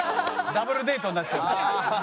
ダブルデートになっちゃう。